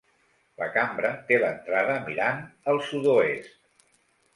La cambra té l'entrada mirant el sud-oest.